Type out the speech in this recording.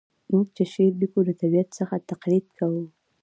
موږ چي شعر لیکو له طبیعت څخه تقلید کوو.